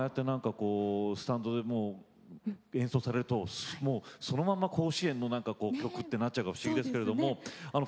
スタンドで演奏されるとそのまま甲子園の曲となってしまうから不思議ですね。